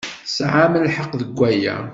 Tesɛam lḥeqq deg waya.